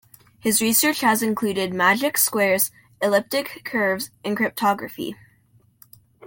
His research has included magic squares, elliptic curves, and cryptography.